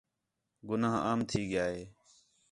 گُناہ عام تھی ڳِیا ہِے